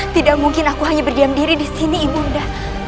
tidak mungkin aku hanya berdiam diri di sini ibunda